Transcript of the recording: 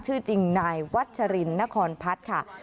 ชื่อจริงนายวัชรินนครพัฒน์ค่ะ